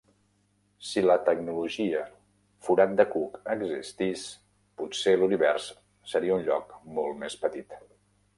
Si la tecnologia forat de cuc existís, potser l'univers seria un lloc molt més petit.